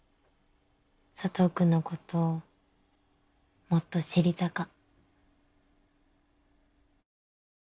佐藤君のこともっと知りたか。